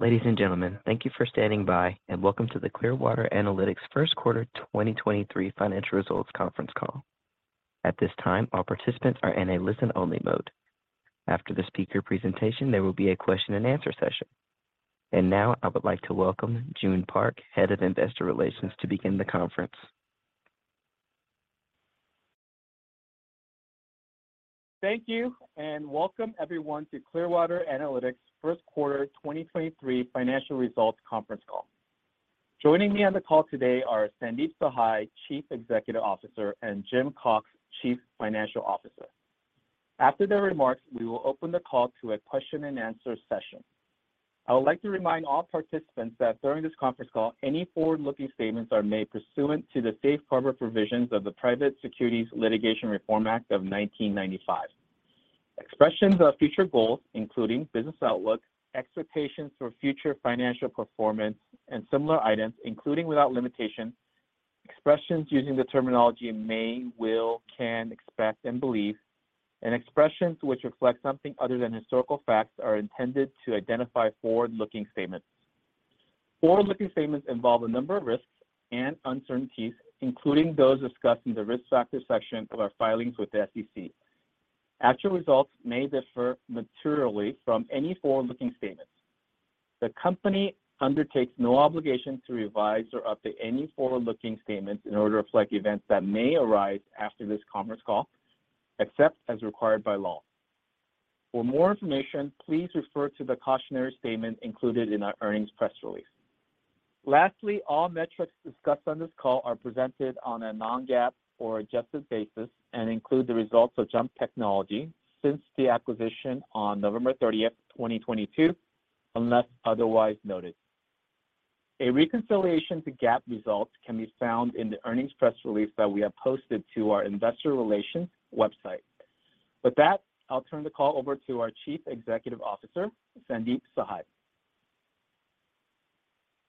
Ladies and gentlemen, thank you for standing by and welcome to the Clearwater Analytics first quarter 2023 financial results conference call. At this time, all participants are in a listen-only mode. After the speaker presentation, there will be a question and answer session. Now I would like to welcome Joon Park, Head of Investor Relations, to begin the conference. Thank you. Welcome everyone to Clearwater Analytics first quarter 2023 financial results conference call. Joining me on the call today are Sandeep Sahai, Chief Executive Officer, and Jim Cox, Chief Financial Officer. After their remarks, we will open the call to a question and answer session. I would like to remind all participants that during this conference call, any forward-looking statements are made pursuant to the safe harbor provisions of the Private Securities Litigation Reform Act of 1995. Expressions of future goals, including business outlook, expectations for future financial performance and similar items, including without limitation, expressions using the terminology may, will, can, expect and believe, and expressions which reflect something other than historical facts are intended to identify forward-looking statements. Forward-looking statements involve a number of risks and uncertainties, including those discussed in the Risk Factors section of our filings with the SEC. Actual results may differ materially from any forward-looking statements. The company undertakes no obligation to revise or update any forward-looking statements in order to reflect events that may arise after this conference call, except as required by law. For more information, please refer to the cautionary statement included in our earnings press release. Lastly, all metrics discussed on this call are presented on a non-GAAP or adjusted basis and include the results of JUMP Technology since the acquisition on November 30th, 2022, unless otherwise noted. A reconciliation to GAAP results can be found in the earnings press release that we have posted to our investor relations website. With that, I'll turn the call over to our Chief Executive Officer, Sandeep Sahai.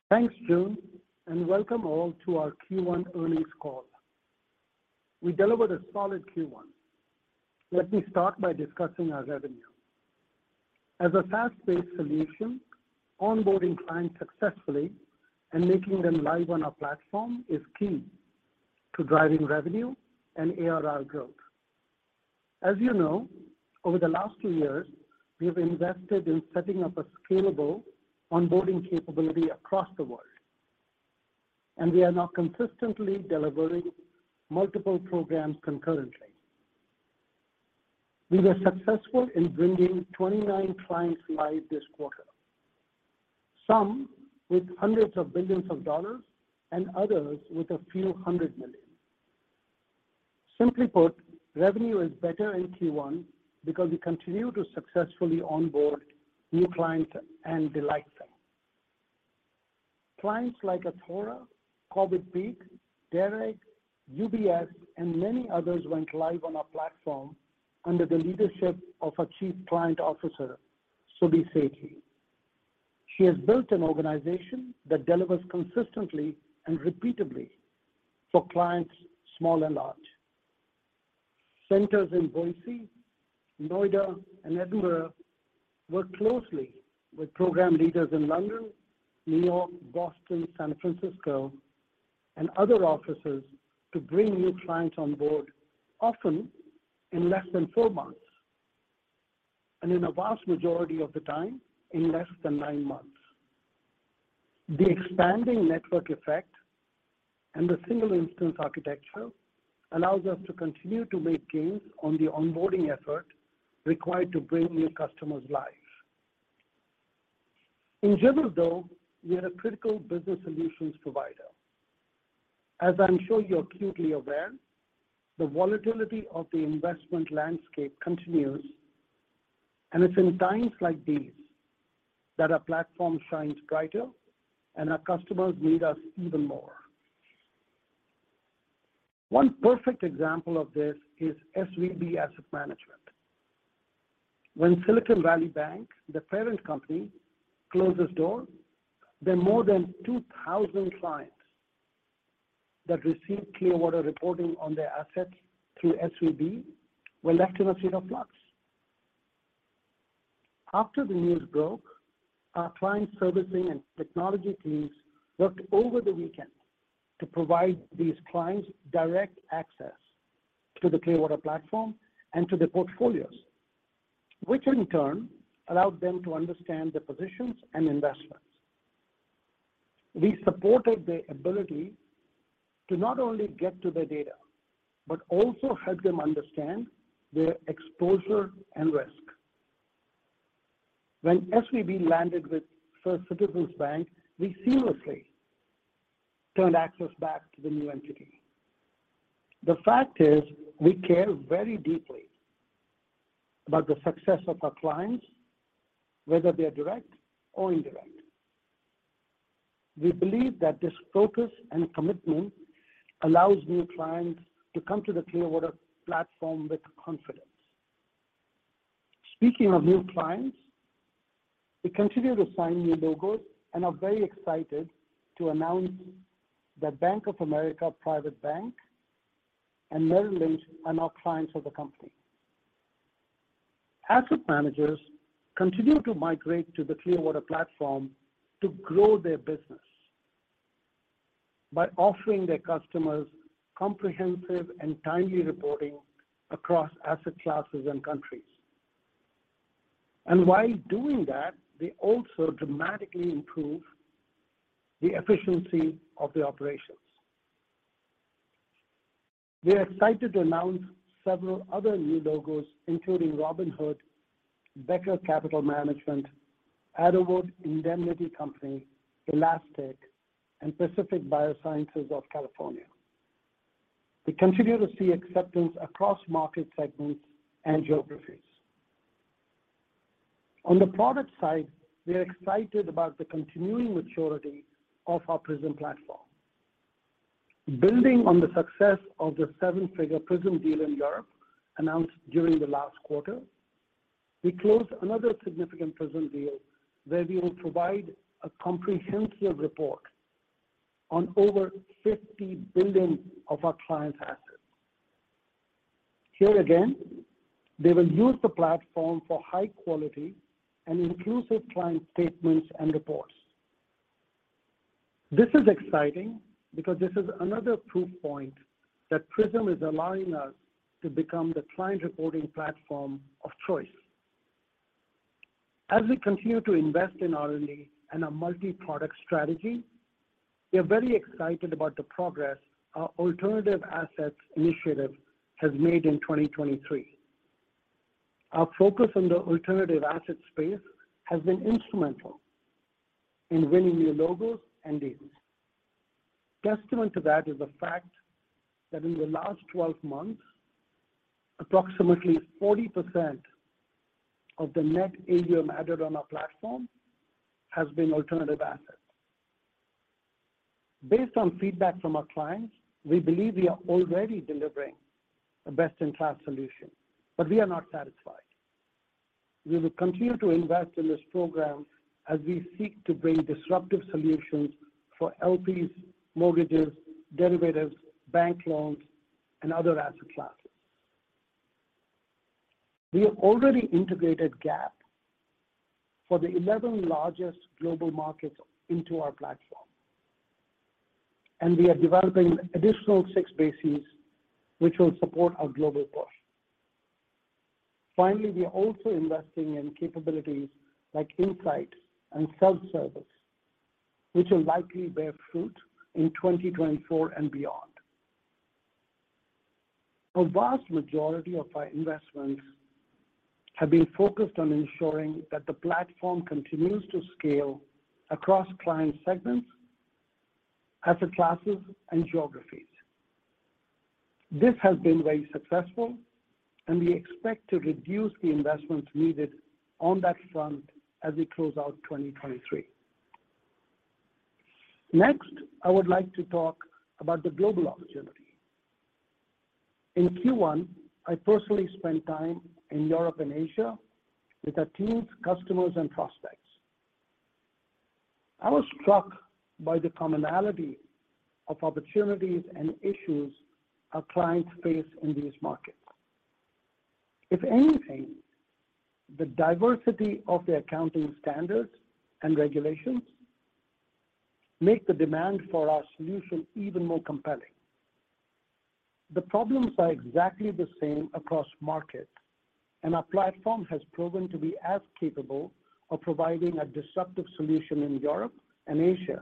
Thanks, Joon, welcome all to our Q1 earnings call. We delivered a solid Q1. Let me start by discussing our revenue. As a SaaS-based solution, onboarding clients successfully and making them live on our platform is key to driving revenue and ARR growth. As you know, over the last two years, we have invested in setting up a scalable onboarding capability across the world, we are now consistently delivering multiple programs concurrently. We were successful in bringing 29 clients live this quarter, some with hundreds of billions of dollars and others with a few hundred million. Simply put, revenue is better in Q1 because we continue to successfully onboard new clients and delight them. Clients like Athora, Corvid Peak, DARAG, UBS and many others went live on our platform under the leadership of our Chief Client Officer, Subi Sethi. She has built an organization that delivers consistently and repeatably for clients, small and large. Centers in Boise, Noida, and Edinburgh work closely with program leaders in London, New York, Boston, San Francisco, and other offices to bring new clients on board, often in less than four months, and in a vast majority of the time, in less than nine months. The expanding network effect and the single instance architecture allows us to continue to make gains on the onboarding effort required to bring new customers live. In general, though, we are a critical business solutions provider. As I'm sure you're acutely aware, the volatility of the investment landscape continues, and it's in times like these that our platform shines brighter and our customers need us even more. One perfect example of this is SVB Asset Management. When Silicon Valley Bank, the parent company, closed its doors, the more than 2,000 clients that received Clearwater reporting on their assets through SVB were left in a state of flux. After the news broke, our client servicing and technology teams worked over the weekend to provide these clients direct access to the Clearwater platform and to their portfolios, which in turn allowed them to understand their positions and investments. We supported their ability to not only get to their data, but also help them understand their exposure and risk. When SVB landed with First Citizens Bank, we seamlessly turned access back to the new entity. The fact is, we care very deeply about the success of our clients, whether they are direct or indirect. We believe that this focus and commitment allows new clients to come to the Clearwater platform with confidence. Speaking of new clients, we continue to sign new logos and are very excited to announce that Bank of America Private Bank and Merrill Lynch are now clients of the company. Asset managers continue to migrate to the Clearwater platform to grow their business by offering their customers comprehensive and timely reporting across asset classes and countries. While doing that, they also dramatically improve the efficiency of the operations. We are excited to announce several other new logos, including Robinhood, Becker Capital Management, Arrowood Indemnity Company, Elastic, and Pacific Biosciences of California. We continue to see acceptance across market segments and geographies. On the product side, we are excited about the continuing maturity of our PRISM platform. Building on the success of the seven-figure Clearwater PRISM deal in Europe announced during the last quarter, we closed another significant Clearwater PRISM deal where we will provide a comprehensive report on over $50 billion of our client's assets. Here again, they will use the platform for high quality and inclusive client statements and reports. This is exciting because this is another proof point that Clearwater PRISM is allowing us to become the client reporting platform of choice. As we continue to invest in R&D and a multi-product strategy, we are very excited about the progress our alternative assets initiative has made in 2023. Our focus on the alternative assets space has been instrumental in winning new logos and deals. Testament to that is the fact that in the last 12 months, approximately 40% of the net AUM added on our platform has been alternative assets. Based on feedback from our clients, we believe we are already delivering a best-in-class solution. We are not satisfied. We will continue to invest in this program as we seek to bring disruptive solutions for LPs, mortgages, derivatives, bank loans, and other asset classes. We have already integrated GAAP for the 11 largest global markets into our platform. We are developing additional 6 bases which will support our global push. We are also investing in capabilities like insight and self-service, which will likely bear fruit in 2024 and beyond. A vast majority of our investments have been focused on ensuring that the platform continues to scale across client segments, asset classes, and geographies. This has been very successful and we expect to reduce the investments needed on that front as we close out 2023. I would like to talk about the global opportunity. In Q1, I personally spent time in Europe and Asia with our teams, customers, and prospects. I was struck by the commonality of opportunities and issues our clients face in these markets. If anything, the diversity of the accounting standards and regulations make the demand for our solution even more compelling. The problems are exactly the same across markets, and our platform has proven to be as capable of providing a disruptive solution in Europe and Asia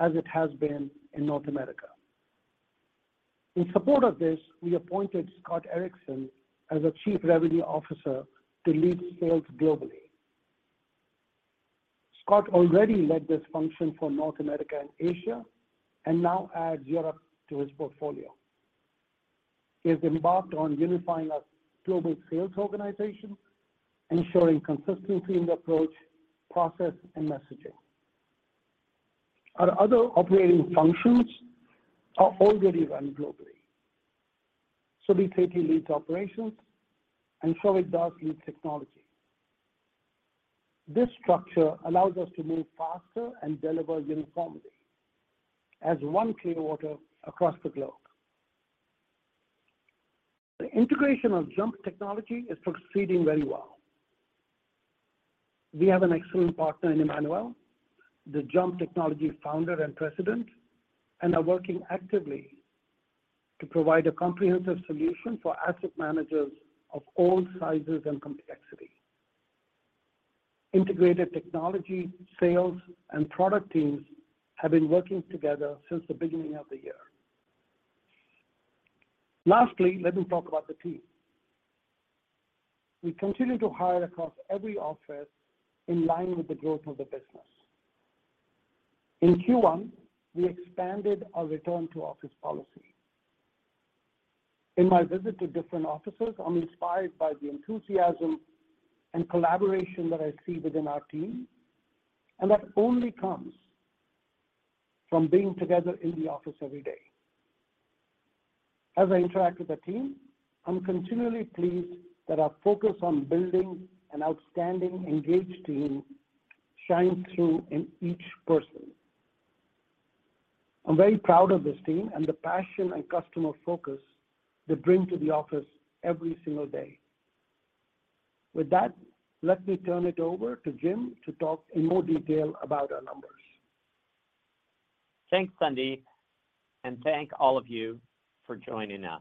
as it has been in North America. In support of this, we appointed Scott Erickson as a Chief Revenue Officer to lead sales globally. Scott already led this function for North America and Asia and now adds Europe to his portfolio. He has embarked on unifying our global sales organization, ensuring consistency in the approach, process, and messaging. Our other operating functions are already run globally. We take elite operations, and so it does lead technology. This structure allows us to move faster and deliver uniformly as one Clearwater across the globe. The integration of JUMP Technology is proceeding very well. We have an excellent partner in Emmanuel, the JUMP Technology founder and president, and are working actively to provide a comprehensive solution for asset managers of all sizes and complexity. Integrated technology, sales, and product teams have been working together since the beginning of the year. Lastly, let me talk about the team. We continue to hire across every office in line with the growth of the business. In Q1, we expanded our return-to-office policy. In my visit to different offices, I'm inspired by the enthusiasm and collaboration that I see within our team, and that only comes from being together in the office every day. As I interact with the team, I'm continually pleased that our focus on building an outstanding, engaged team shines through in each person. I'm very proud of this team and the passion and customer focus they bring to the office every single day. Let me turn it over to Jim to talk in more detail about our numbers. Thanks, Sandeep. Thank all of you for joining us.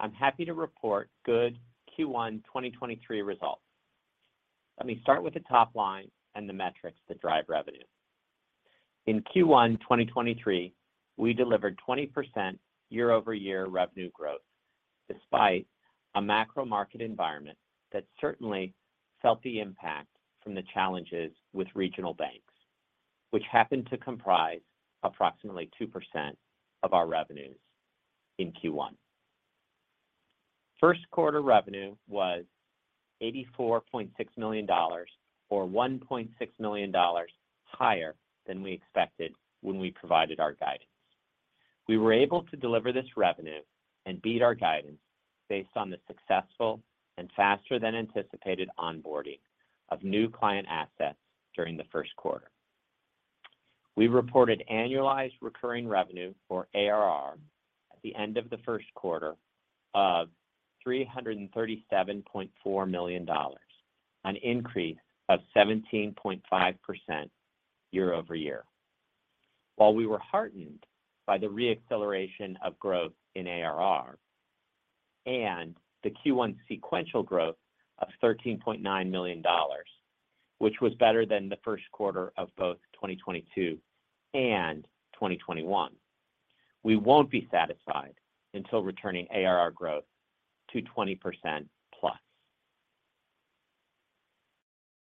I'm happy to report good Q1 2023 results. Let me start with the top line and the metrics that drive revenue. In Q1 2023, we delivered 20% year-over-year revenue growth despite a macro market environment that certainly felt the impact from the challenges with regional banks, which happened to comprise approximately 2% of our revenues in Q1. First quarter revenue was $84.6 million or $1.6 million higher than we expected when we provided our guidance. We were able to deliver this revenue and beat our guidance based on the successful and faster than anticipated onboarding of new client assets during the first quarter. We reported annualized recurring revenue, or ARR, at the end of the first quarter of $337.4 million, an increase of 17.5% year-over-year. While we were heartened by the re-acceleration of growth in ARR and the Q1 sequential growth of $13.9 million, which was better than the first quarter of both 2022 and 2021, we won't be satisfied until returning ARR growth to 20%+.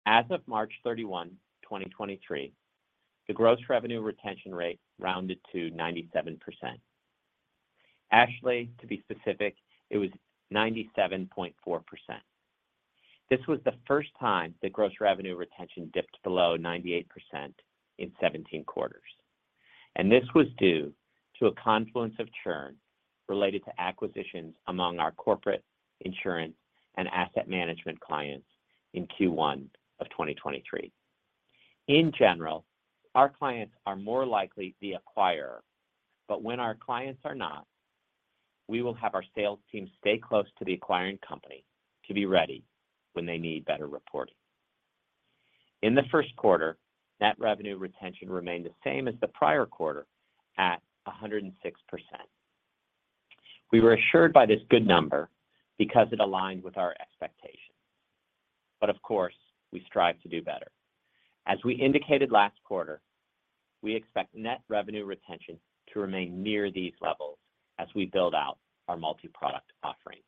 As of March 31, 2023, the gross revenue retention rate rounded to 97%. Actually, to be specific, it was 97.4%. This was the first time that gross revenue retention dipped below 98% in 17 quarters, and this was due to a confluence of churn related to acquisitions among our corporate insurance and asset management clients in Q1 of 2023. In general, our clients are more likely the acquirer, but when our clients are not, we will have our sales team stay close to the acquiring company to be ready when they need better reporting. In the first quarter, net revenue retention remained the same as the prior quarter at 106%. We were assured by this good number because it aligned with our expectations. Of course, we strive to do better. As we indicated last quarter, we expect net revenue retention to remain near these levels as we build out our multi-product offerings.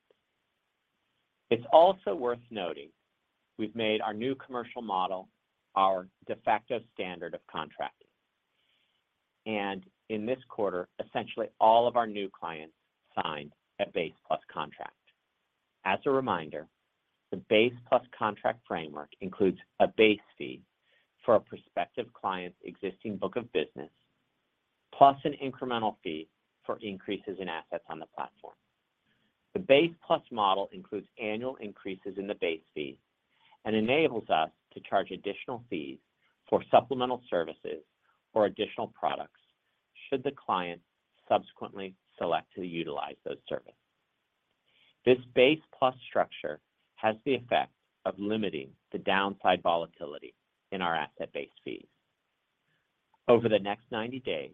It's also worth noting we've made our new commercial model our de facto standard of contracting, and in this quarter, essentially all of our new clients signed a base plus contract. As a reminder, the base plus contract framework includes a base fee for a prospective client's existing book of business, plus an incremental fee for increases in assets on the platform. The base plus model includes annual increases in the base fee and enables us to charge additional fees for supplemental services or additional products should the client subsequently select to utilize those services. This base plus structure has the effect of limiting the downside volatility in our asset-based fees. Over the next 90 days,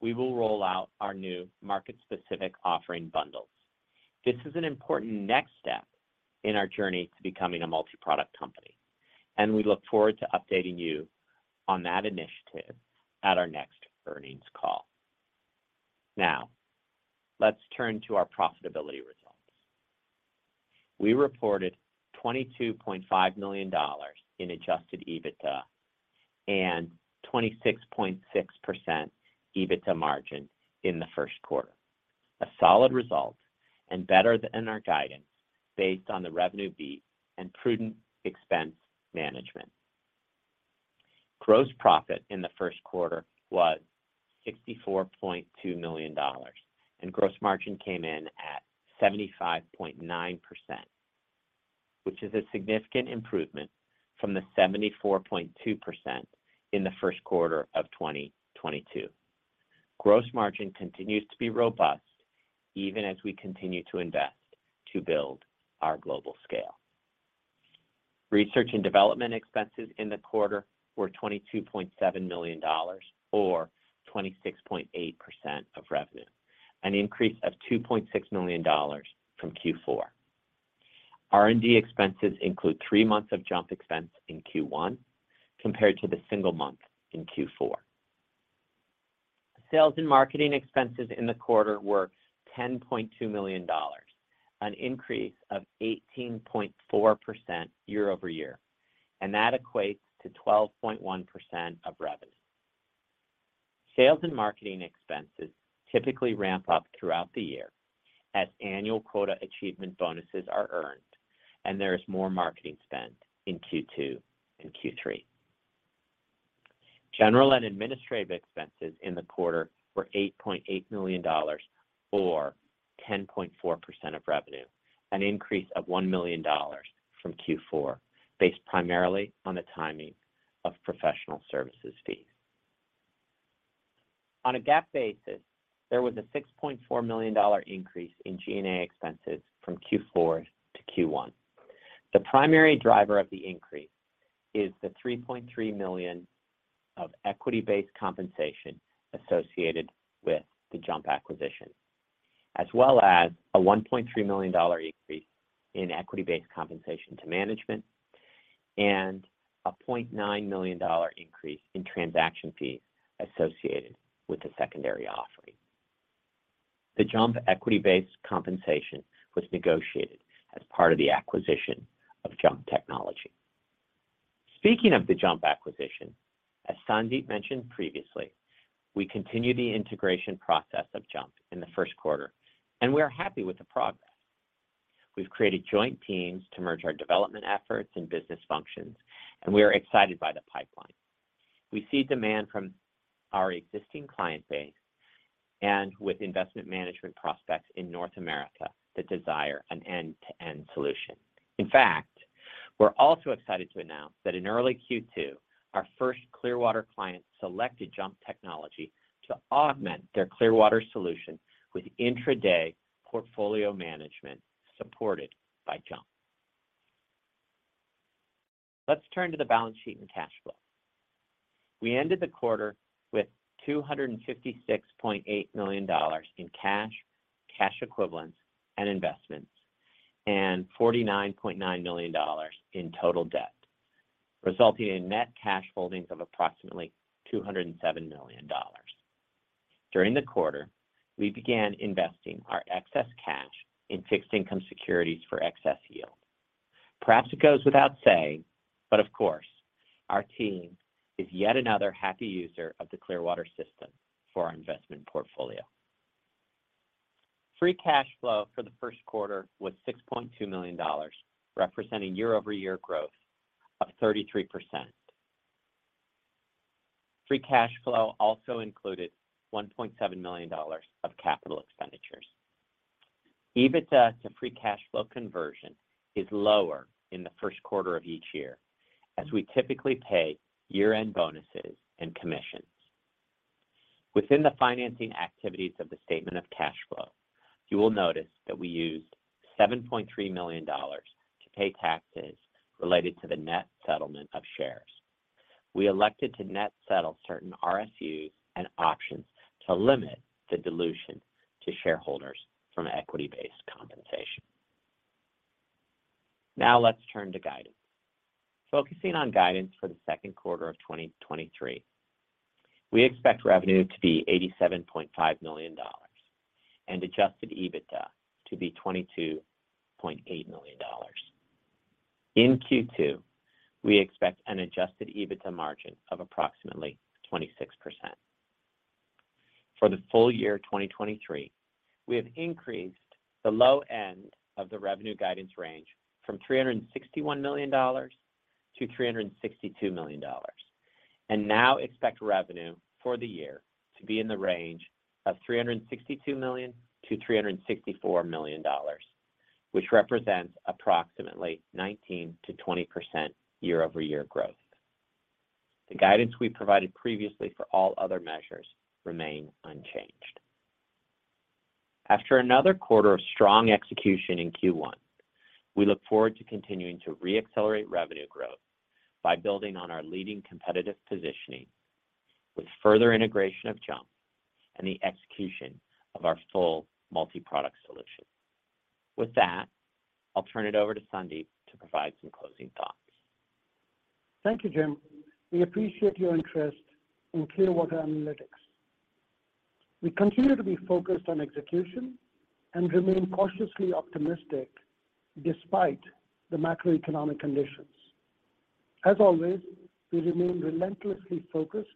we will roll out our new market-specific offering bundles. This is an important next step in our journey to becoming a multi-product company, and we look forward to updating you on that initiative at our next earnings call. Now, let's turn to our profitability results. We reported $22.5 million in Adjusted EBITDA and 26.6% EBITDA margin in the first quarter, a solid result and better than our guidance based on the revenue beat and prudent expense management. Gross profit in the first quarter was $64.2 million. Gross margin came in at 75.9%, which is a significant improvement from the 74.2% in the first quarter of 2022. Gross margin continues to be robust even as we continue to invest to build our global scale. Research and development expenses in the quarter were $22.7 million or 26.8% of revenue, an increase of $2.6 million from Q4. R&D expenses include three months of JUMP expense in Q1 compared to the single month in Q4. Sales and marketing expenses in the quarter were $10.2 million, an increase of 18.4% year-over-year. That equates to 12.1% of revenue. Sales and marketing expenses typically ramp up throughout the year as annual quota achievement bonuses are earned. There is more marketing spend in Q2 and Q3. General and administrative expenses in the quarter were $8.8 million or 10.4% of revenue, an increase of $1 million from Q4, based primarily on the timing of professional services fees. On a GAAP basis, there was a $6.4 million increase in G&A expenses from Q4 to Q1. The primary driver of the increase is the $3.3 million of equity-based compensation associated with the JUMP acquisition, as well as a $1.3 million dollar increase in equity-based compensation to management and a $0.9 million dollar increase in transaction fees associated with the secondary offering. The JUMP equity-based compensation was negotiated as part of the acquisition of JUMP Technology. Speaking of the JUMP acquisition, as Sandeep mentioned previously, we continued the integration process of JUMP in the first quarter. We are happy with the progress. We've created joint teams to merge our development efforts and business functions. We are excited by the pipeline. We see demand from our existing client base and with investment management prospects in North America that desire an end-to-end solution. In fact, we're also excited to announce that in early Q2, our first Clearwater client selected JUMP Technology to augment their Clearwater solution with intraday portfolio management supported by JUMP. Let's turn to the balance sheet and cash flow. We ended the quarter with $256.8 million in cash equivalents, and investments, and $49.9 million in total debt, resulting in net cash holdings of approximately $207 million. During the quarter, we began investing our excess cash in fixed income securities for excess yield. Perhaps it goes without saying, but of course, our team is yet another happy user of the Clearwater system for our investment portfolio. Free cash flow for the first quarter was $6.2 million, representing year-over-year growth of 33%. Free cash flow also included $1.7 million of capital expenditures. EBITDA to free cash flow conversion is lower in the first quarter of each year, as we typically pay year-end bonuses and commissions. Within the financing activities of the statement of cash flow, you will notice that we used $7.3 million to pay taxes related to the net settlement of shares. We elected to net settle certain RSUs and options to limit the dilution to shareholders from equity-based compensation. Let's turn to guidance. Focusing on guidance for the second quarter of 2023, we expect revenue to be $87.5 million and Adjusted EBITDA to be $22.8 million. In Q2, we expect an Adjusted EBITDA margin of approximately 26%. For the full year 2023, we have increased the low end of the revenue guidance range from $361 million to $362 million, and now expect revenue for the year to be in the range of $362 million-$364 million, which represents approximately 19%-20% year-over-year growth. The guidance we provided previously for all other measures remain unchanged. After another quarter of strong execution in Q1, we look forward to continuing to re-accelerate revenue growth by building on our leading competitive positioning with further integration of JUMP and the execution of our full multi-product solution. With that, I'll turn it over to Sandeep to provide some closing thoughts. Thank you, Jim. We appreciate your interest in Clearwater Analytics. We continue to be focused on execution and remain cautiously optimistic despite the macroeconomic conditions. As always, we remain relentlessly focused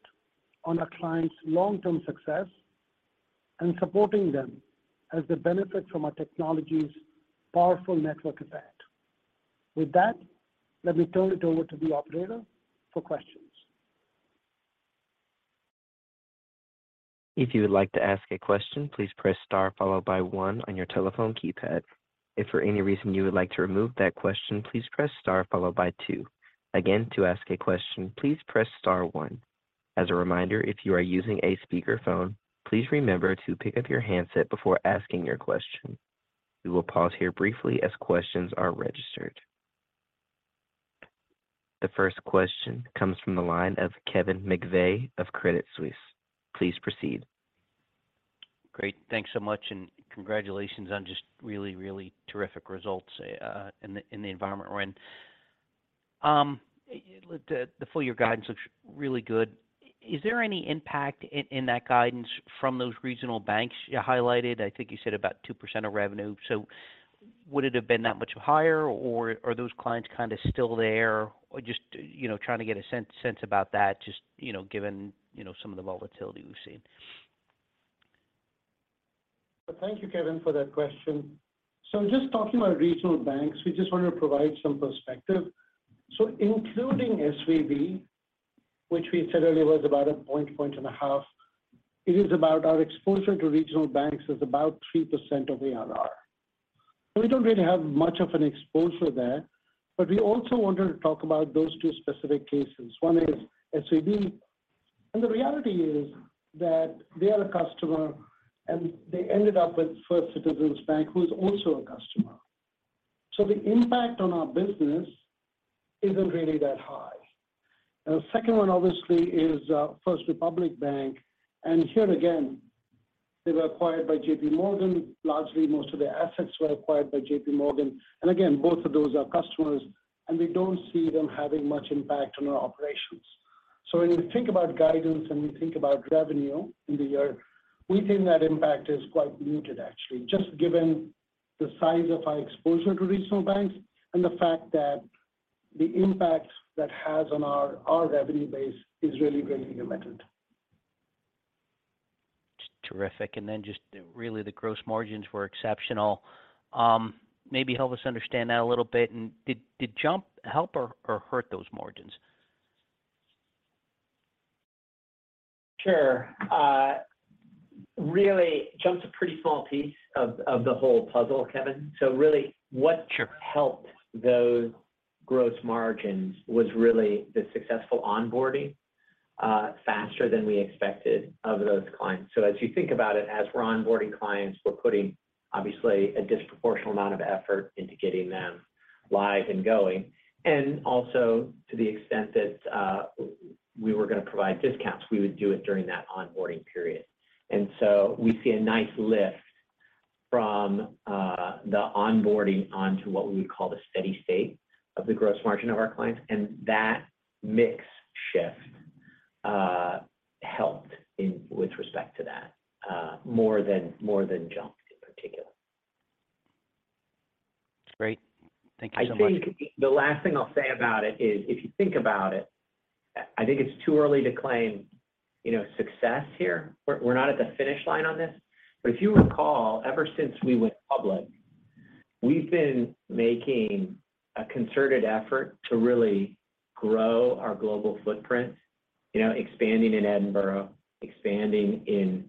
on our clients' long-term success and supporting them as they benefit from our technology's powerful network effect. With that, let me turn it over to the operator for questions. If you would like to ask a question, please press star followed by one on your telephone keypad. If for any reason you would like to remove that question, please press star followed by two. Again, to ask a question, please press star one. As a reminder, if you are using a speakerphone, please remember to pick up your handset before asking your question. We will pause here briefly as questions are registered. The first question comes from the line of Kevin McVeigh of Credit Suisse. Please proceed. Great. Thanks so much and congratulations on just really, really terrific results, in the environment we're in. The full year guidance looks really good. Is there any impact in that guidance from those regional banks you highlighted? I think you said about 2% of revenue. Would it have been that much higher or are those clients kind of still there? Just, you know, trying to get a sense about that just, you know, given, you know, some of the volatility we've seen. Thank you, Kevin, for that question. Just talking about regional banks, we just want to provide some perspective. Including SVB, which we said earlier was about 1 point, 1.5. It is about our exposure to regional banks is about 3% of ARR. We don't really have much of an exposure there, but we also wanted to talk about those two specific cases. One is SVB, and the reality is that they are a customer, and they ended up with First Citizens Bank, who's also a customer. The impact on our business isn't really that high. The second one, obviously, is First Republic Bank. Here again, they were acquired by JPMorgan. Largely, most of their assets were acquired by JPMorgan. Again, both of those are customers, and we don't see them having much impact on our operations. When you think about guidance and we think about revenue in the year, we think that impact is quite muted, actually. Just given the size of our exposure to regional banks and the fact that the impact that has on our revenue base is really very limited. Terrific. just really the gross margins were exceptional. maybe help us understand that a little bit. did JUMP help or hurt those margins? Sure. really JUMP's a pretty small piece of the whole puzzle, Kevin. Sure. helped those gross margins was really the successful onboarding, faster than we expected of those clients. As you think about it, as we're onboarding clients, we're putting obviously a disproportional amount of effort into getting them live and going. Also to the extent that we were gonna provide discounts, we would do it during that onboarding period. We see a nice lift from the onboarding onto what we would call the steady state of the gross margin of our clients. That mix shift helped in with respect to that, more than JUMP in particular. That's great. Thank you so much. I think the last thing I'll say about it is, if you think about it, I think it's too early to claim, you know, success here. We're not at the finish line on this. If you recall, ever since we went public, we've been making a concerted effort to really grow our global footprint. You know, expanding in Edinburgh, expanding in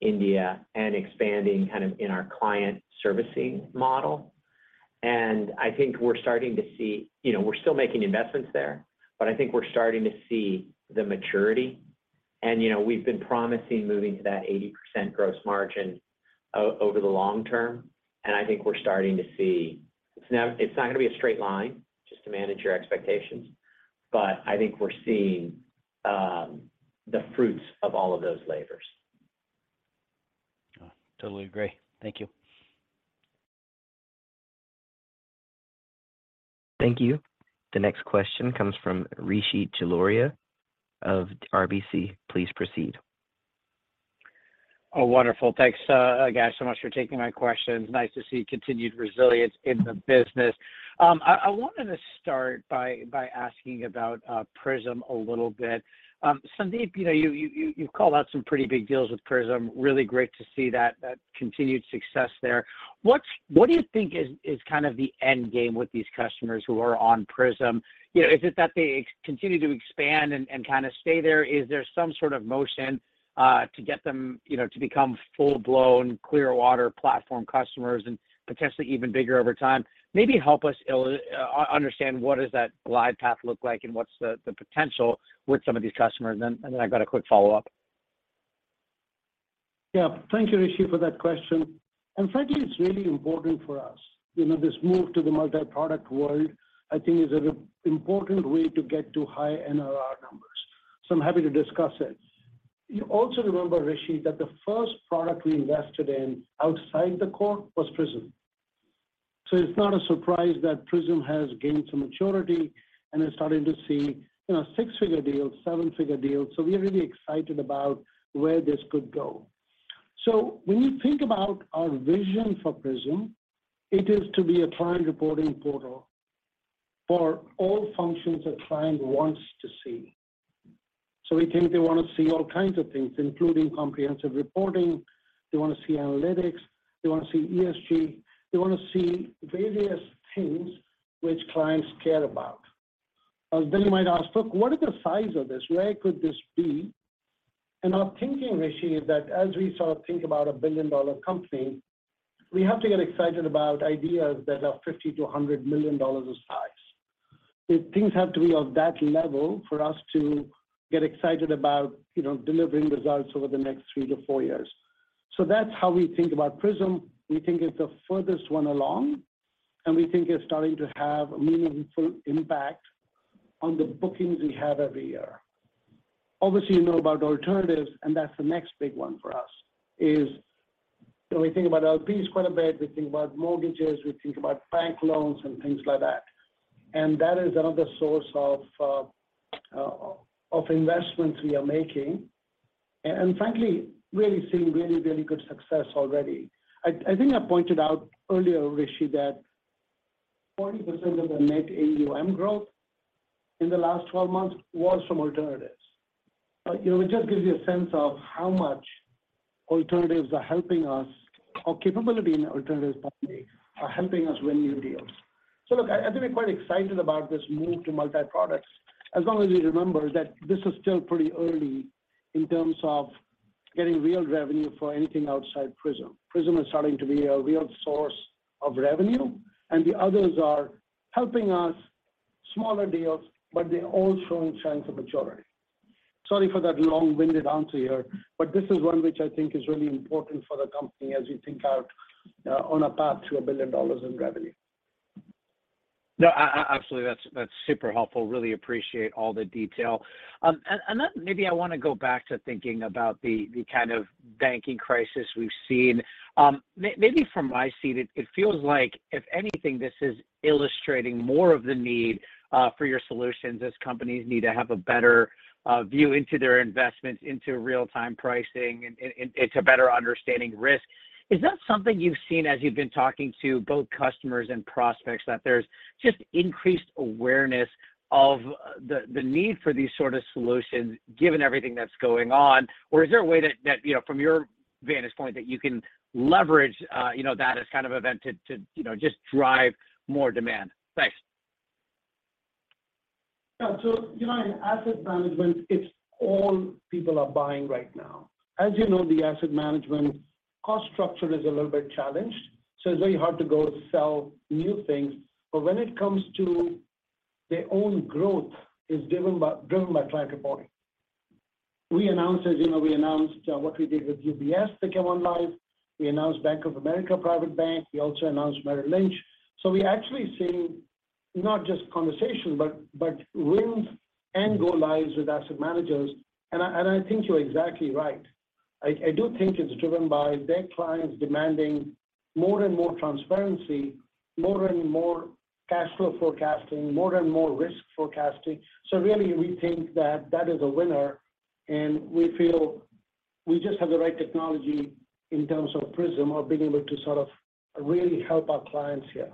India, and expanding kind of in our client servicing model. I think we're starting to see. You know, we're still making investments there, but I think we're starting to see the maturity. You know, we've been promising moving to that 80% gross margin over the long term, and I think we're starting to see. It's not gonna be a straight line just to manage your expectations, but I think we're seeing the fruits of all of those labors. Oh, totally agree. Thank you. Thank you. The next question comes from Rishi Jaluria of RBC. Please proceed. Oh, wonderful. Thanks, guys, so much for taking my questions. Nice to see continued resilience in the business. I wanted to start by asking about PRISM a little bit. Sandeep, you know, you've called out some pretty big deals with PRISM. Really great to see that continued success there. What do you think is kind of the end game with these customers who are on PRISM? You know, is it that they continue to expand and kind of stay there? Is there some sort of motion to get them, you know, to become full-blown Clearwater platform customers and potentially even bigger over time? Maybe help us understand what does that live path look like and what's the potential with some of these customers. I've got a quick follow-up. Yeah. Thank you, Rishi, for that question. Frankly, it's really important for us. You know, this move to the multi-product world, I think, is a important way to get to high NRR numbers. I'm happy to discuss it. You also remember, Rishi, that the first product we invested in outside the core was PRISM. It's not a surprise that PRISM has gained some maturity, and we're starting to see, you know, six-figure deals, seven-figure deals. We're really excited about where this could go. When we think about our vision for PRISM, it is to be a client reporting portal for all functions a client wants to see. We think they wanna see all kinds of things, including comprehensive reporting. They wanna see analytics, they wanna see ESG, they wanna see various things which clients care about. You might ask, "Look, what is the size of this? Where could this be?" Our thinking, Rishi, is that as we sort of think about a billion-dollar company, we have to get excited about ideas that are $50 million-$100 million in size. The things have to be of that level for us to get excited about, you know, delivering results over the next three to four years. That's how we think about PRISM. We think it's the furthest one along, and we think it's starting to have a meaningful impact on the bookings we have every year. Obviously, you know about alternatives, and that's the next big one for us, is when we think about LPs quite a bit, we think about mortgages, we think about bank loans and things like that. That is another source of investments we are making and, frankly, really seeing good success already. I think I pointed out earlier, Rishi, that 40% of the net AUM growth in the last 12 months was from alternatives. You know, it just gives you a sense of how much alternatives are helping us, or capability in alternatives probably are helping us win new deals. Look, I've been quite excited about this move to multi-products. As long as we remember that this is still pretty early in terms of getting real revenue for anything outside PRISM. PRISM is starting to be a real source of revenue, and the others are helping us, smaller deals, but they're all showing signs of maturity. Sorry for that long-winded answer here, but this is one which I think is really important for the company as we think out on a path to $1 billion in revenue. No, absolutely, that's super helpful. Really appreciate all the detail. Maybe I wanna go back to thinking about the kind of banking crisis we've seen. Maybe from my seat, it feels like if anything, this is illustrating more of the need for your solutions as companies need to have a better view into their investments, into real-time pricing, and to better understanding risk. Is that something you've seen as you've been talking to both customers and prospects, that there's just increased awareness of the need for these sort of solutions given everything that's going on? Is there a way that, you know, from your vantage point that you can leverage, you know, that as kind of event to, you know, just drive more demand? Thanks. Yeah. you know, in asset management, it's all people are buying right now. As you know, the asset management cost structure is a little bit challenged, it's very hard to go sell new things. When it comes to their own growth is driven by client reporting. We announced, as you know, we announced what we did with UBS that came online. We announced Bank of America Private Bank. We also announced Merrill Lynch. We're actually seeing not just conversation, but wins and go lives with asset managers. I think you're exactly right. I do think it's driven by their clients demanding more and more transparency, more and more cash flow forecasting, more and more risk forecasting. Really we think that that is a winner, and we feel we just have the right technology in terms of PRISM of being able to sort of really help our clients here.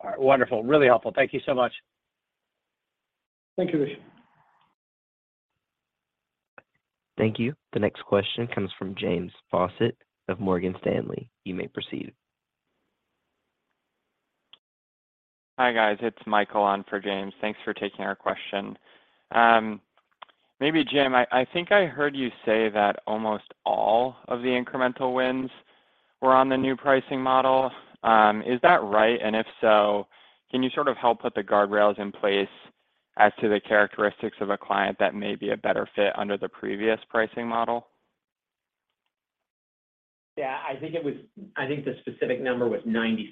All right. Wonderful. Really helpful. Thank you so much. Thank you, Rishi. Thank you. The next question comes from James Faucette of Morgan Stanley. You may proceed. Hi, guys. It's Michael on for James. Thanks for taking our question. Maybe Jim, I think I heard you say that almost all of the incremental wins were on the new pricing model. Is that right? If so, can you sort of help put the guardrails in place as to the characteristics of a client that may be a better fit under the previous pricing model? Yeah, I think the specific number was 96%,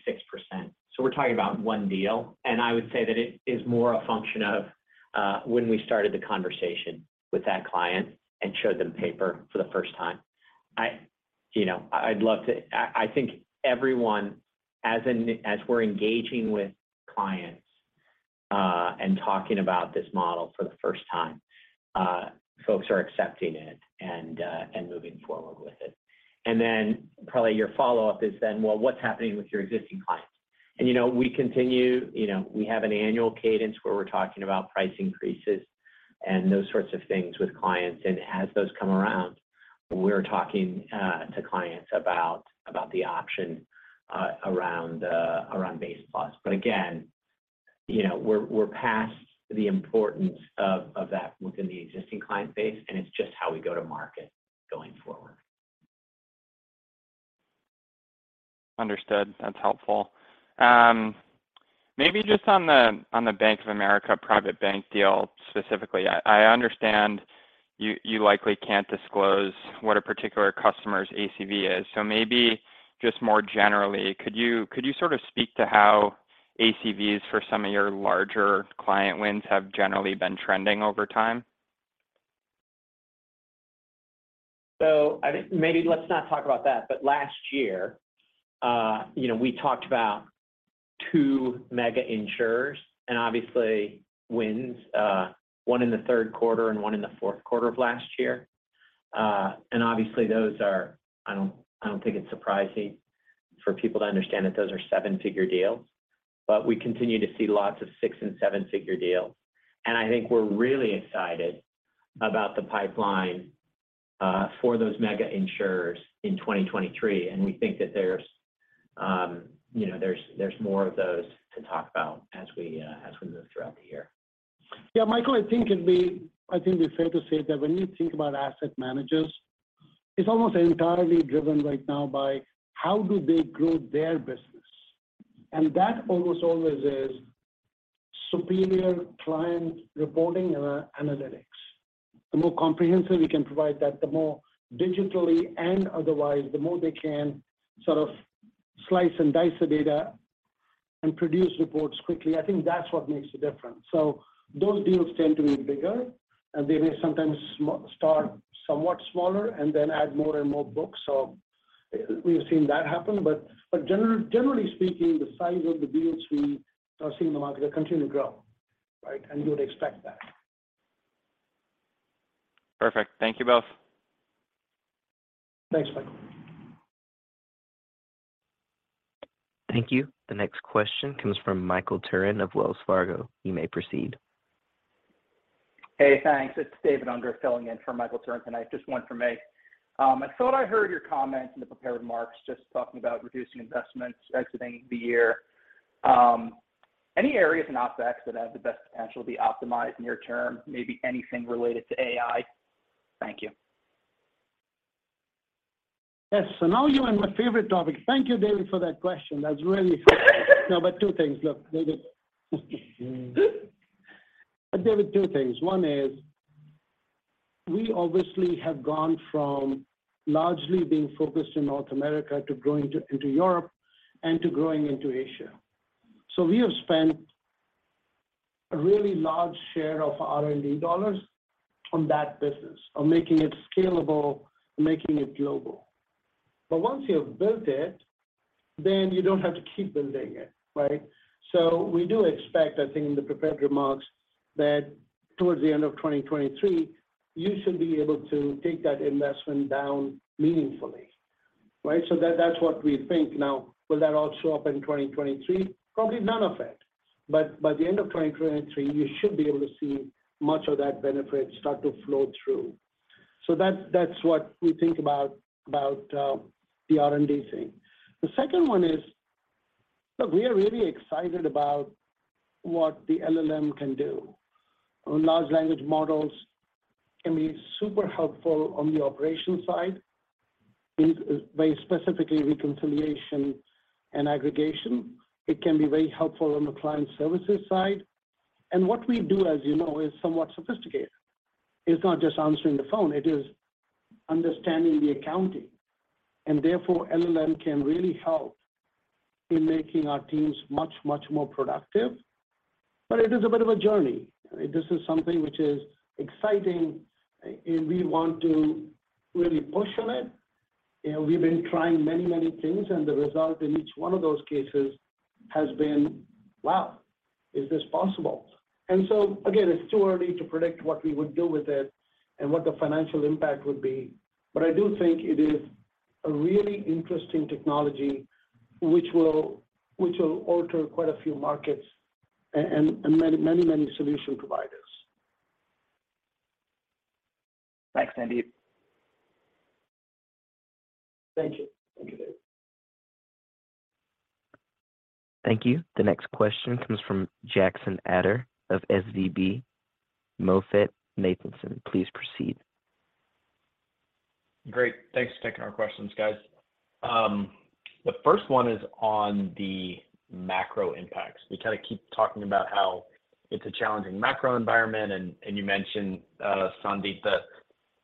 we're talking about one deal. I would say that it is more a function of when we started the conversation with that client and showed them paper for the first time. I think everyone as in, as we're engaging with clients, and talking about this model for the first time, folks are accepting it and moving forward with it. Probably your follow-up is then, well, what's happening with your existing clients? You know, we continue, you know, we have an annual cadence where we're talking about price increases and those sorts of things with clients. As those come around, we're talking to clients about the option around Base+. Again, you know, we're past the importance of that within the existing client base, and it's just how we go to market going forward. Understood. That's helpful. Maybe just on the Bank of America Private Bank deal specifically, I understand you likely can't disclose what a particular customer's ACV is. Maybe just more generally, could you sort of speak to how ACVs for some of your larger client wins have generally been trending over time? I think maybe let's not talk about that. Last year, you know, we talked about two mega insurers and obviously wins, one in the third quarter and one in the fourth quarter of last year. Obviously those are, I don't think it's surprising for people to understand that those are seven-figure deals. We continue to see lots of six- and seven-figure deals, and I think we're really excited about the pipeline, for those mega insurers in 2023. We think that there's, you know, there's more of those to talk about as we, as we move throughout the year. Yeah, Michael, I think it's fair to say that when you think about asset managers, it's almost entirely driven right now by how do they grow their business. That almost always is superior client reporting and analytics. The more comprehensive we can provide that, the more digitally and otherwise, the more they can sort of slice and dice the data and produce reports quickly, I think that's what makes a difference. Those deals tend to be bigger, and they may sometimes start somewhat smaller and then add more and more books. We've seen that happen. But generally speaking, the size of the deals we are seeing in the market are continuing to grow, right? You would expect that. Perfect. Thank you both. Thanks, Michael. Thank you. The next question comes from Michael Turrin of Wells Fargo. You may proceed. Hey, thanks. It's David Unger filling in for Michael Turrin tonight. Just one for me. I thought I heard your comments in the prepared remarks just talking about reducing investments exiting the year. Any areas in OpsX that have the best potential to be optimized near term, maybe anything related to AI? Thank you. Yes. Now you're in my favorite topic. Thank you, David, for that question. That's really No, two things. Look, there were two things. One is, we obviously have gone from largely being focused in North America to growing into Europe and to growing into Asia. We have spent a really large share of our R&D dollars on that business, on making it scalable, making it global. Once you've built it, you don't have to keep building it, right? We do expect, I think in the prepared remarks, that towards the end of 2023, you should be able to take that investment down meaningfully, right? That's what we think. Will that all show up in 2023? Probably none of it. By the end of 2023, you should be able to see much of that benefit start to flow through. That's what we think about the R&D thing. The second one is, look, we are really excited about what the LLM can do. Large language models can be super helpful on the operations side. These, very specifically reconciliation and aggregation. It can be very helpful on the client services side. What we do, as you know, is somewhat sophisticated. It's not just answering the phone, it is understanding the accounting, and therefore, LLM can really help in making our teams much more productive. It is a bit of a journey. This is something which is exciting and we want to really push on it. You know, we've been trying many, many things, and the result in each one of those cases has been, "Wow, is this possible?" Again, it's too early to predict what we would do with it and what the financial impact would be. I do think it is a really interesting technology which will, which will alter quite a few markets and many, many solution providers. Thanks, Sandeep. Thank you. Thank you, David. Thank you. The next question comes from Jackson Ader of SVB MoffettNathanson. Please proceed. Great. Thanks for taking our questions, guys. The first one is on the macro impacts. We kind of keep talking about how it's a challenging macro environment and you mentioned Sandeep, the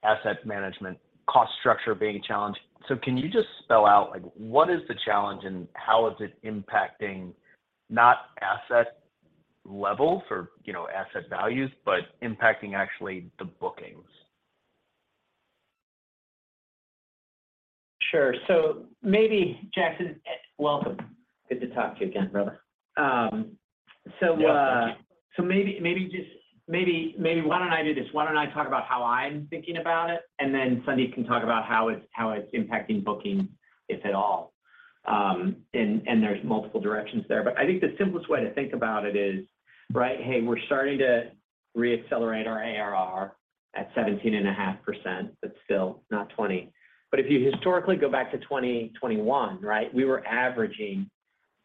asset management cost structure being challenged. Can you just spell out like what is the challenge and how is it impacting not asset level for, you know, asset values, but impacting actually the bookings? Sure. maybe Jackson... Welcome. Good to talk to you again, brother. Yeah. Thank you. Maybe, just, maybe why don't I do this. Why don't I talk about how I'm thinking about it, and then Sandeep can talk about how it's, how it's impacting booking, if at all. And there's multiple directions there. I think the simplest way to think about it is, right, hey, we're starting to re-accelerate our ARR at 17.5%, but still not 20. If you historically go back to 2021, right, we were averaging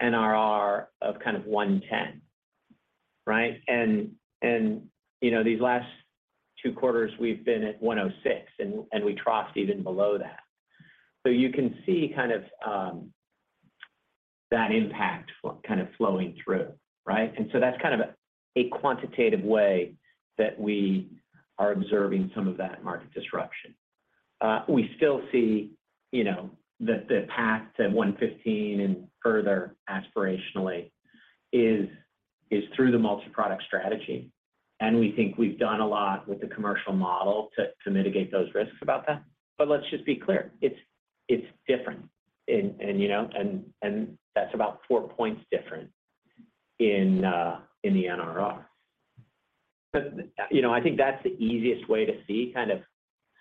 NRR of kind of 110, right? You know, these last two quarters we've been at 106 and we troughs even below that. You can see kind of, that impact kind of flowing through, right? That's kind of a quantitative way that we are observing some of that market disruption. We still see, you know, the path to 115 and further aspirationally is through the multi-product strategy. We think we've done a lot with the commercial model to mitigate those risks about that. Let's just be clear, it's different. You know, that's about four points different in the NRR. You know, I think that's the easiest way to see kind of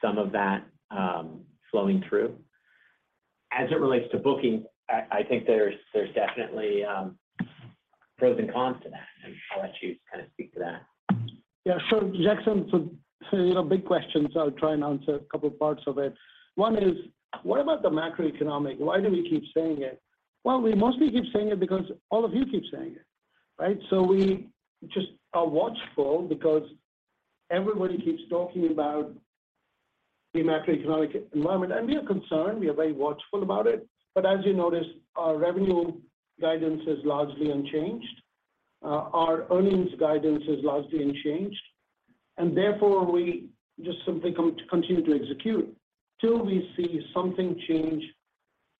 some of that flowing through. As it relates to booking, I think there's definitely pros and cons to that, and I'll let you kind of speak to that. Jackson, you know, big questions. I'll try and answer a couple of parts of it. One is, what about the macroeconomic? Why do we keep saying it? Well, we mostly keep saying it because all of you keep saying it, right? We just are watchful because everybody keeps talking about the macroeconomic environment, and we are concerned. We are very watchful about it. As you noticed, our revenue guidance is largely unchanged. Our earnings guidance is largely unchanged. Therefore, we just simply continue to execute till we see something change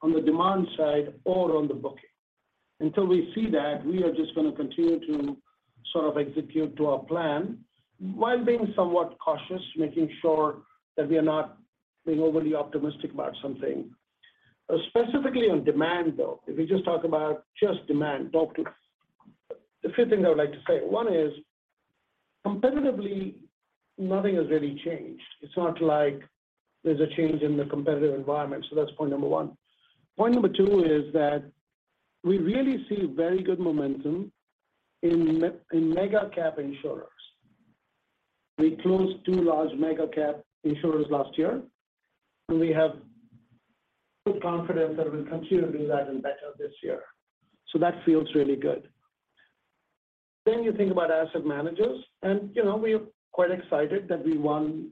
on the demand side or on the booking. Until we see that, we are just gonna continue to sort of execute to our plan while being somewhat cautious, making sure that we are not being overly optimistic about something. Specifically on demand, though, if we just talk about just demand, A few things I would like to say. One is, competitively, nothing has really changed. It's not like there's a change in the competitive environment. That's point number one. Point number two is that we really see very good momentum in mega cap insurers. We closed two large mega cap insurers last year, and we have full confidence that we'll continue to do that and better this year. That feels really good. You think about asset managers, and, you know, we're quite excited that we won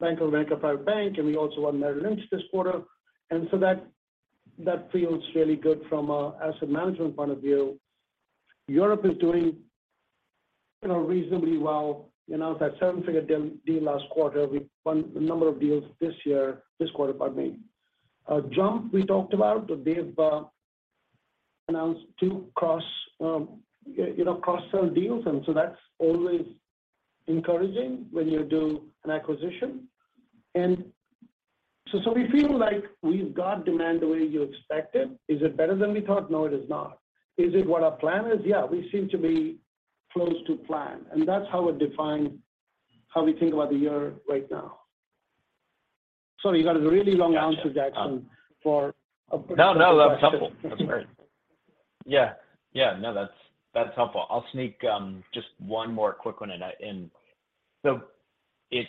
Bank of America Private Bank, and we also won Merrill Lynch this quarter. That feels really good from an asset management point of view. Europe is doing, you know, reasonably well. You know, that seven-figure deal last quarter, we won a number of deals this year. This quarter, pardon me. JUMP, we talked about, that they've announced two cross, you know, cross-sell deals, that's always encouraging when you do an acquisition. We feel like we've got demand the way you expect it. Is it better than we thought? No, it is not. Is it what our plan is? Yeah, we seem to be close to plan, that's how it defines how we think about the year right now. Sorry, that was a really long answer, Jackson, for. No, no, that was helpful. That's great. Yeah. Yeah, no, that's helpful. I'll sneak just one more quick one in. It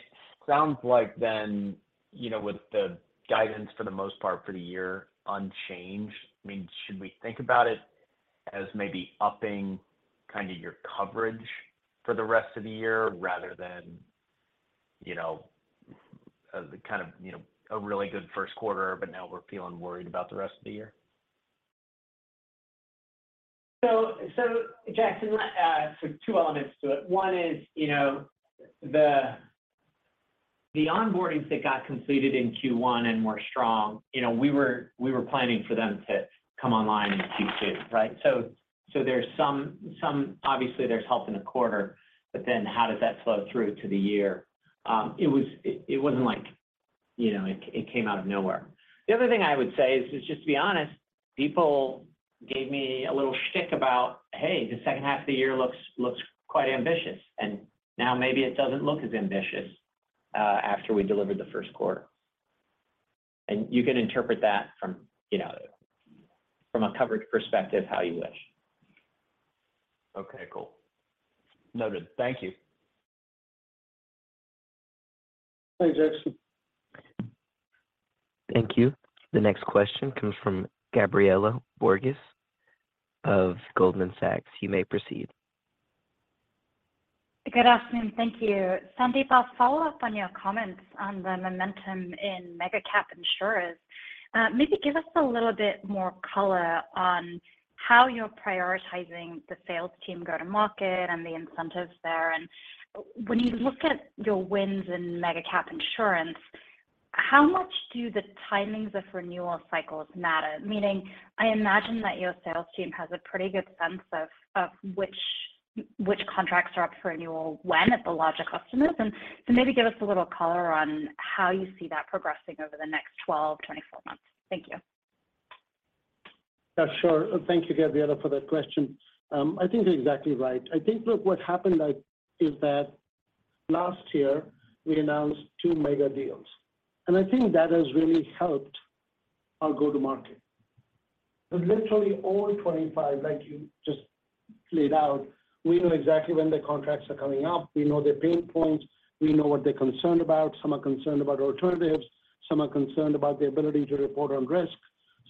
sounds like then, you know, with the guidance, for the most part for the year unchanged, I mean, should we think about it as maybe upping kind of your coverage for the rest of the year rather than, you know, the kind of, you know, a really good first quarter, but now we're feeling worried about the rest of the year? Jackson, two elements to it. One is, you know, the onboardings that got completed in Q1 and were strong, you know, we were planning for them to come online in Q2, right? There's some. Obviously, there's health in the quarter. How does that flow through to the year? It wasn't like, you know, it came out of nowhere. The other thing I would say is just to be honest, people gave me a little shtick about, "Hey, the second half of the year looks quite ambitious." Now maybe it doesn't look as ambitious after we delivered the first quarter. You can interpret that from, you know, from a coverage perspective, how you wish. Okay, cool. Noted. Thank you. Thanks, Jackson. Thank you. The next question comes from Gabriela Borges of Goldman Sachs. You may proceed. Good afternoon. Thank you. Sandeep, I'll follow up on your comments on the momentum in mega cap insurers. Maybe give us a little bit more color on how you're prioritizing the sales team go-to-market and the incentives there. When you look at your wins in mega cap insurance, how much do the timings of renewal cycles matter? Meaning, I imagine that your sales team has a pretty good sense of which contracts are up for renewal when at the larger customers. Maybe give us a little color on how you see that progressing over the next 12, 24 months. Thank you. Yeah, sure. Thank you, Gabriela, for that question. I think you're exactly right. I think, look, what happened is that last year, we announced two mega deals, and I think that has really helped our go-to-market. Literally all 25, you just laid out, we know exactly when the contracts are coming up. We know their pain points. We know what they're concerned about. Some are concerned about alternatives, some are concerned about the ability to report on risk,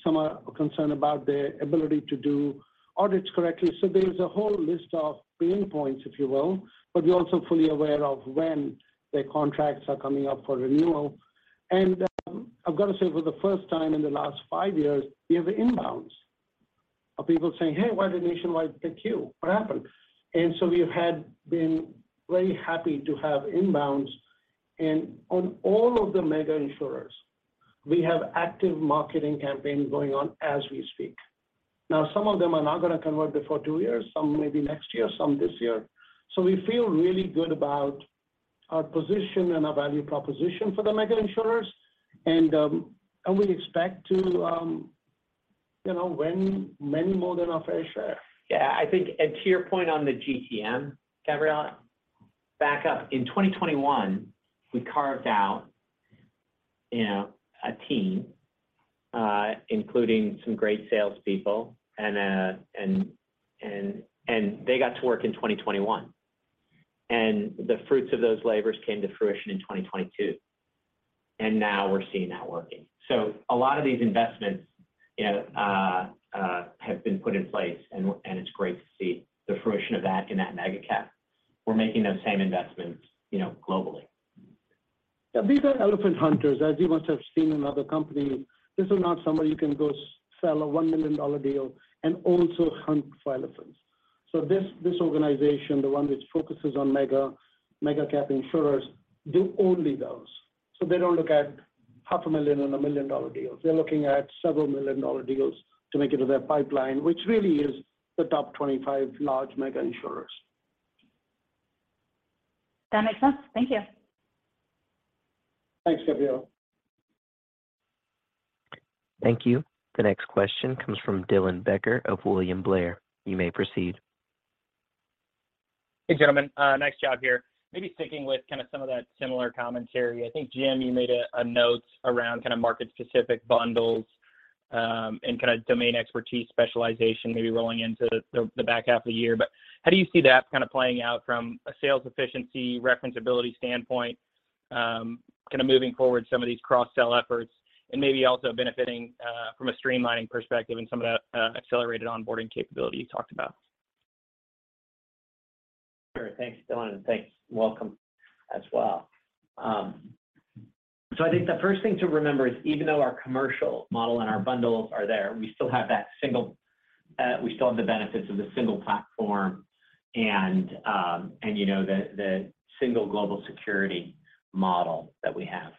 some are concerned about their ability to do audits correctly. There's a whole list of pain points, if you will, but we're also fully aware of when their contracts are coming up for renewal. I've got to say, for the first time in the last five years, we have inbounds of people saying, "Hey, why did Nationwide pick you? What happened?" We've had been very happy to have inbounds. On all of the mega insurers, we have active marketing campaigns going on as we speak. Some of them are not gonna convert before two years, some maybe next year, some this year. We feel really good about our position and our value proposition for the mega insurers. We expect to, you know, win many more than our fair share. Yeah. I think, and to your point on the GTM, Gabriela, back up. In 2021, we carved out, you know, a team, including some great salespeople and they got to work in 2021. The fruits of those labors came to fruition in 2022, and now we're seeing that working. A lot of these investments, you know, have been put in place and it's great to see the fruition of that in that mega cap. We're making those same investments, you know, globally. Yeah. These are elephant hunters. As you must have seen in other companies, this is not somewhere you can go sell a $1 million deal and also hunt for elephants. This organization, the one which focuses on mega cap insurers, do only those. They don't look at half a million and $1 million deals. They're looking at several million dollar deals to make it to their pipeline, which really is the top 25 large mega insurers. That makes sense. Thank you. Thanks, Gabriela. Thank you. The next question comes from Dylan Becker of William Blair. You may proceed. Hey, gentlemen. Nice job here. Maybe sticking with kinda some of that similar commentary. I think, Jim, you made a note around kinda market-specific bundles, and kinda domain expertise specialization maybe rolling into the back half of the year. How do you see that kinda playing out from a sales efficiency, referenceability standpoint, kinda moving forward some of these cross-sell efforts, and maybe also benefiting, from a streamlining perspective and some of that, accelerated onboarding capability you talked about? Sure. Thanks, Dylan, and thanks, welcome as well. I think the first thing to remember is even though our commercial model and our bundles are there, we still have that single, we still have the benefits of the single platform and, you know, the single global security model that we have.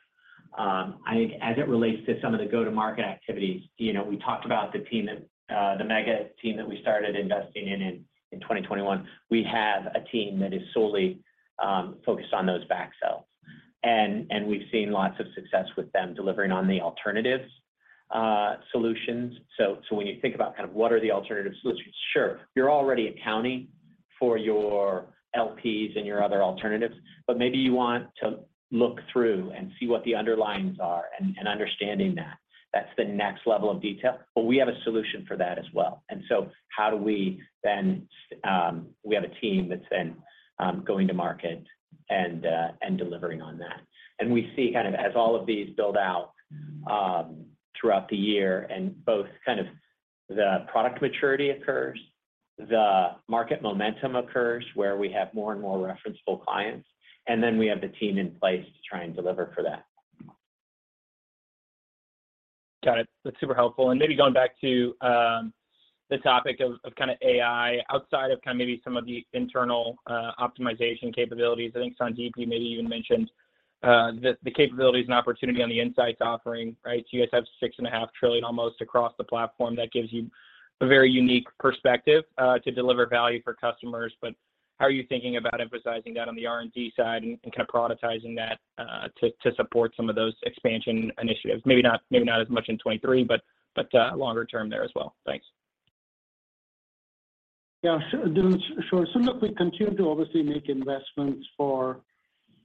I think as it relates to some of the go-to-market activities, you know, we talked about the team that, the mega team that we started investing in 2021. We have a team that is solely, focused on those back sells. We've seen lots of success with them delivering on the alternatives, solutions. When you think about kind of what are the alternative solutions, sure, you're already accounting for your LPs and your other alternatives, but maybe you want to look through and see what the underlyings are and understanding that. That's the next level of detail. We have a solution for that as well. How do we then, we have a team that's then, going to market and delivering on that. We see kind of as all of these build out, throughout the year and both kind of the product maturity occurs, the market momentum occurs, where we have more and more referenceable clients, and then we have the team in place to try and deliver for that. Got it. That's super helpful. Maybe going back to the topic of kinda AI, outside of kind of maybe some of the internal optimization capabilities, I think Sandeep, you maybe even mentioned the capabilities and opportunity on the Insights offering, right? You guys have 6.5 trillion almost across the platform that gives you a very unique perspective to deliver value for customers. How are you thinking about emphasizing that on the R&D side and kinda productizing that to support some of those expansion initiatives? Maybe not, maybe not as much in 2023, but longer term there as well. Thanks. Yeah, sure, Dylan. Sure. Look, we continue to obviously make investments for,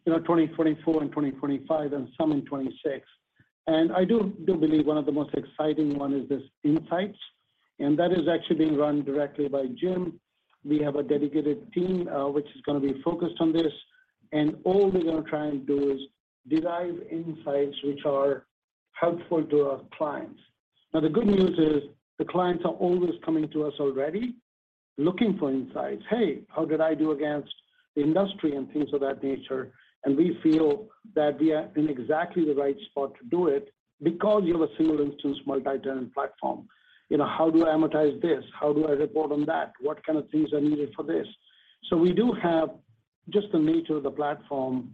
you know, 2024 and 2025 and some in 2026. I do believe one of the most exciting one is this Insights, and that is actually being run directly by Jim. We have a dedicated team, which is gonna be focused on this, and all we're gonna try and do is derive insights which are helpful to our clients. Now, the good news is the clients are always coming to us already looking for Insights. "Hey, how did I do against the industry?" Things of that nature. We feel that we are in exactly the right spot to do it because you have a single instance multi-tenant platform. You know, how do I amortize this? How do I report on that? What kind of things are needed for this? We do have just the nature of the platform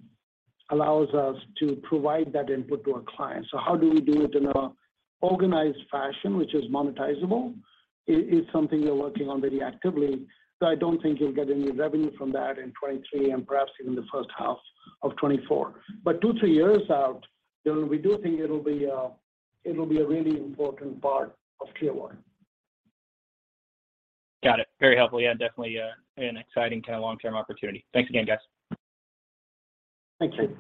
allows us to provide that input to our clients. How do we do it in an organized fashion which is monetizable is something we are working on very actively. I don't think you'll get any revenue from that in 2023 and perhaps even the first half of 2024. Two, three years out, Dylan, we do think it'll be a really important part of Q1. Got it. Very helpful. Yeah, definitely, an exciting kind of long-term opportunity. Thanks again, guys. Thank you.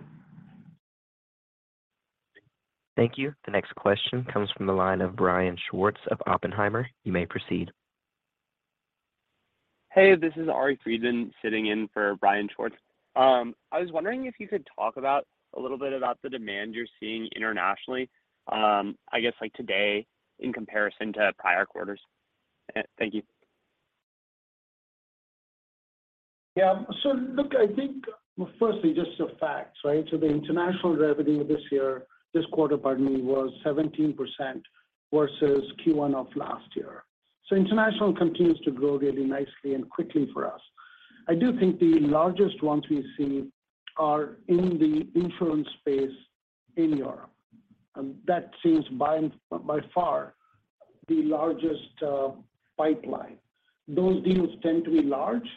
Thank you. The next question comes from the line of Brian Schwartz of Oppenheimer. You may proceed. Hey, this is Ari Friedman sitting in for Brian Schwartz. I was wondering if you could talk about, a little bit about the demand you're seeing internationally, I guess like today in comparison to prior quarters. Thank you. Yeah. Look, I think firstly just the facts, right? The international revenue this year, this quarter, pardon me, was 17% versus Q1 of last year. International continues to grow really nicely and quickly for us. I do think the largest ones we see are in the insurance space in Europe. That seems by far the largest pipeline. Those deals tend to be large,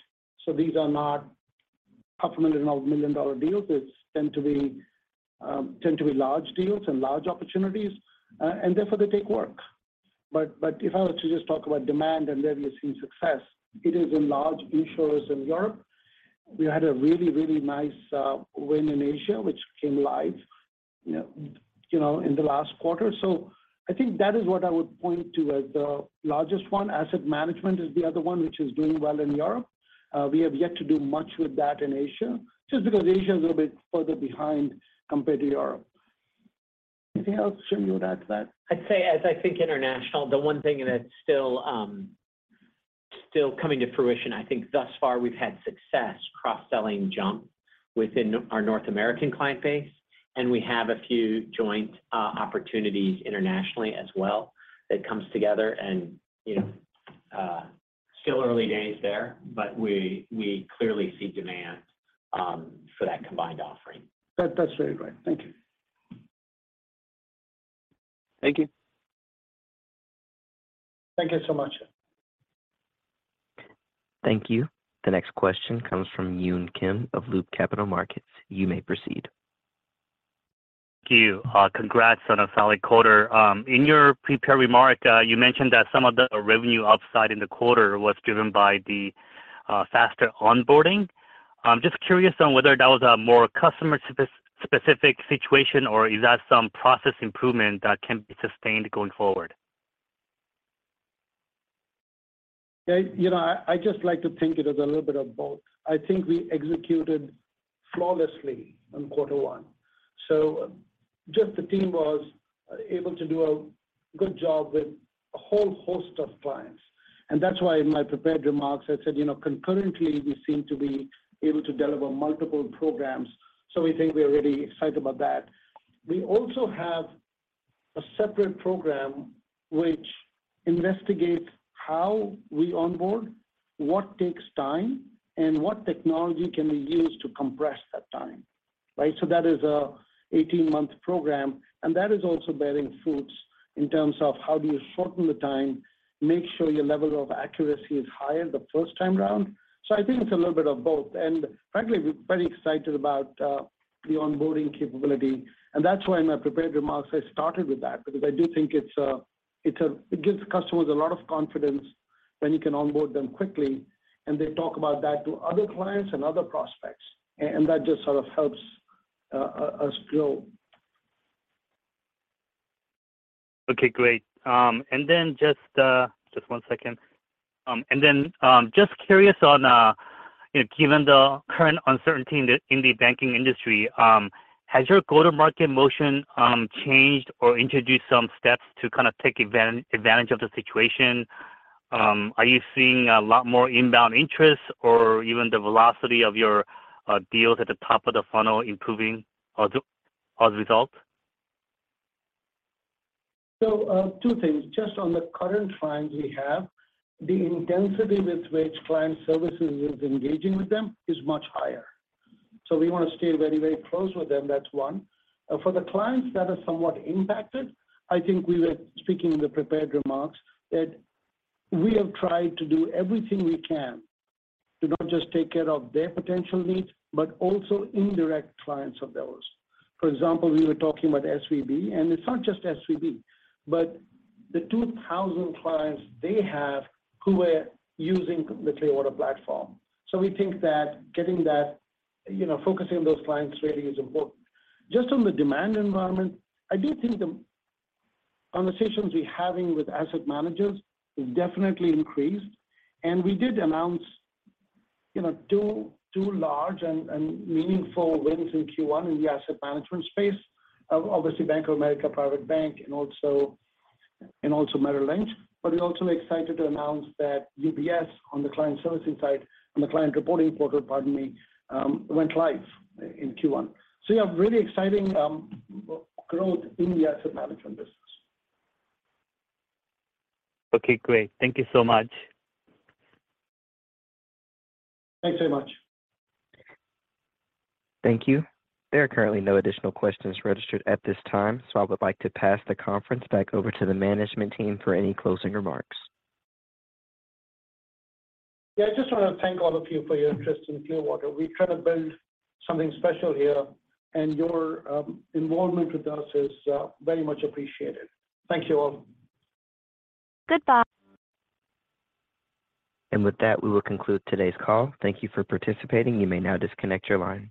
so these are not half a million or million dollar deals. These tend to be large deals and large opportunities, and therefore they take work. If I were to just talk about demand and where we are seeing success, it is in large insurers in Europe. We had a really nice win in Asia, which came live, you know, in the last quarter. I think that is what I would point to as the largest one. Asset management is the other one which is doing well in Europe. We have yet to do much with that in Asia just because Asia is a little bit further behind compared to Europe. Anything else, Jim, you would add to that? I'd say as I think international, the one thing that's still coming to fruition, I think thus far we've had success cross-selling JUMP within our North American client base, and we have a few joint opportunities internationally as well that comes together and, you know, still early days there, but we clearly see demand for that combined offering. That's very right. Thank you. Thank you. Thank you so much. Thank you. The next question comes from Yun Kim of Loop Capital Markets. You may proceed. Thank you. Congrats on a solid quarter. In your prepared remark, you mentioned that some of the revenue upside in the quarter was driven by the faster onboarding. I'm just curious on whether that was a more customer specific situation or is that some process improvement that can be sustained going forward? Yeah, you know, I just like to think it as a little bit of both. I think we executed flawlessly in quarter one. Just the team was able to do a good job with a whole host of clients. That's why in my prepared remarks, I said, you know, concurrently we seem to be able to deliver multiple programs. We think we are really excited about that. We also have a separate program which investigates how we onboard, what takes time, and what technology can we use to compress that time, right? That is a 18-month program, and that is also bearing fruits in terms of how do you shorten the time, make sure your level of accuracy is higher the first time round. I think it's a little bit of both. Frankly, we're very excited about the onboarding capability, and that's why in my prepared remarks I started with that because I do think it's it gives customers a lot of confidence when you can onboard them quickly, and they talk about that to other clients and other prospects. That just sort of helps us grow. Okay, great. Just one second. Just curious on, you know, given the current uncertainty in the banking industry, has your go-to-market motion changed or introduced some steps to kind of take advantage of the situation? Are you seeing a lot more inbound interest or even the velocity of your deals at the top of the funnel improving as a result? Two things. Just on the current clients we have, the intensity with which client services is engaging with them is much higher. We wanna stay very, very close with them. That's one. For the clients that are somewhat impacted, I think we were speaking in the prepared remarks that we have tried to do everything we can to not just take care of their potential needs, but also indirect clients of those. For example, we were talking about SVB, and it's not just SVB, but the 2,000 clients they have who were using the Clearwater platform. We think that getting that, you know, focusing on those clients really is important. Just on the demand environment, I do think the conversations we are having with asset managers has definitely increased. We did announce, you know, two large and meaningful wins in Q1 in the asset management space of obviously Bank of America Private Bank and also MetLife. We're also excited to announce that UBS on the client servicing side, on the client reporting portal, pardon me, went live in Q1. Yeah, really exciting growth in the asset management business. Okay, great. Thank you so much. Thanks very much. Thank you. There are currently no additional questions registered at this time, so I would like to pass the conference back over to the management team for any closing remarks. Yeah, I just wanna thank all of you for your interest in Clearwater. We try to build something special here, and your involvement with us is very much appreciated. Thank you all. Goodbye. With that, we will conclude today's call. Thank you for participating. You may now disconnect your line.